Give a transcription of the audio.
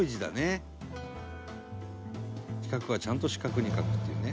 「四角はちゃんと四角に書くっていうね」